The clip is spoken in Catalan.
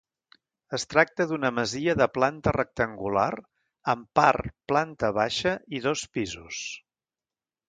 Es tracta d'una masia de planta rectangular, amb part planta baixa i dos pisos.